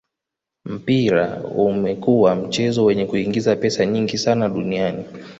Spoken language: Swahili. mpira umekua mchezo wenye kuingiza pesa nyingi sana duniani